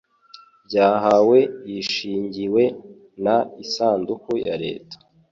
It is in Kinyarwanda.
byahawe yishingiwe n isanduku ya Leta